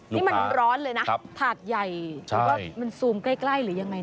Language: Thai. นี่มันร้อนเลยนะถาดใหญ่แล้วก็มันซูมใกล้หรือยังไงนะ